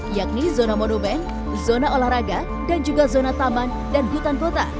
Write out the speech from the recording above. yakni zona monumen zona olahraga dan juga zona taman dan hutan kota